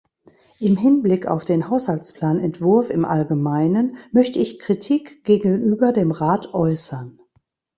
Im Hinblick auf den Haushaltsplanentwurf im Allgemeinen, möchte ich Kritik gegenüber dem Rat äußern.